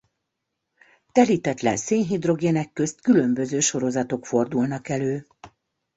Telítetlen szénhidrogének közt különböző sorozatok fordulnak elő.